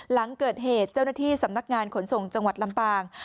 หลังเกิดเหตุเจ้าหน้าที่สำนักงานขนส่งจังหวัดลำปาง